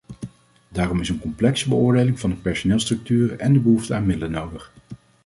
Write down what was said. Daarom is een complexe beoordeling van de personeelsstructuren en de behoefte aan middelen nodig.